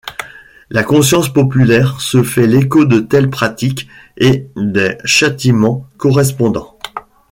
La conscience populaire se fait l'écho de telles pratiques et des châtiments correspondants.